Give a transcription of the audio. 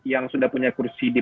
yang sudah punya kursi di